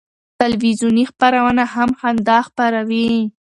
تلویزیوني خپرونه هم خندا خپروي.